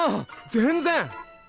全然！